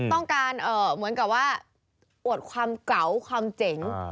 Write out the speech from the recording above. ต้องการเหมือนกับว่าอวดความเก๋าความเจ๋ง